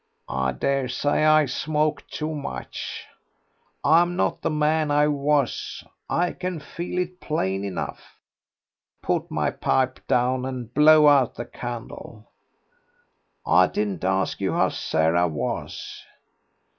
"I daresay I smoke too much.... I'm not the man I was. I can feel it plain enough. Put my pipe down and blow out the candle.... I didn't ask you how Sarah was."